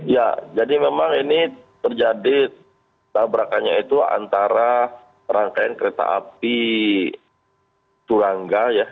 ya jadi memang ini terjadi tabrakannya itu antara rangkaian kereta api turangga ya